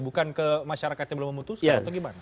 bukan ke masyarakat yang belum memutuskan atau gimana